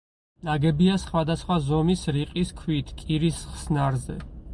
ნაგებია სხვადასხვა ზომის, რიყის ქვით კირის ხსნარზე.